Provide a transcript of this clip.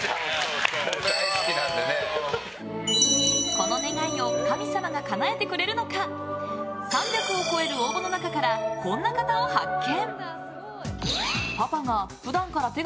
この願いを神様がかなえてくれるのか３００を超える応募の中からこんな方を発見。